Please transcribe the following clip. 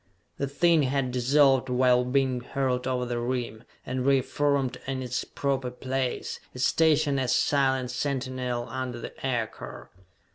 The thing had dissolved while being hurled over the rim, and reformed in its proper place, its station as silent sentinel under the aircar!